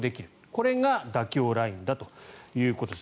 これが妥協ラインだということです。